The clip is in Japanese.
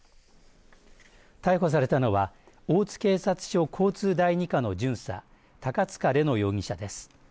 逮捕されたのは大津警察署交通第二課の巡査高塚玲音容疑者です。